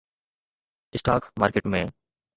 stock market ۾